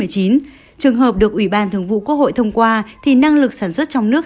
trường hợp được ủy ban thường vụ quốc hội thông qua thì năng lực sản xuất trong nước